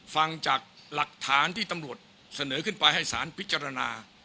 ฟังจากหลักฐานที่ตำรวจเสนอขึ้นไปให้สารพิจารณา